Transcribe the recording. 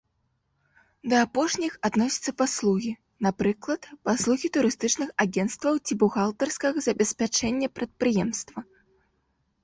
Да апошніх адносяцца паслугі, напрыклад, паслугі турыстычных агенцтваў ці бухгалтарскага забеспячэння прадпрыемства.